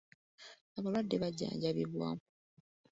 Abalwadde bajjanjabibwa.